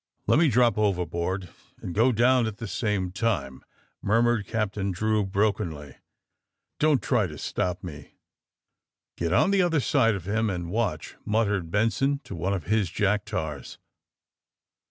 *'Let me drop overboard and go down at the same time, '' murmured Captain Drew brokenly. Don't try to stop me." '^Get on the other side of him and watch," muttered Benson to one of his jack tars.